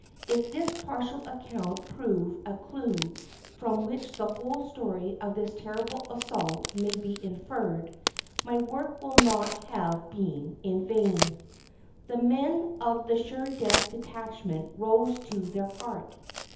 If this partial account prove a clue from which the whole story of this terrible assault may be inferred, my work will not have been in vain. The men of the *' sure death" detachment rose to their part.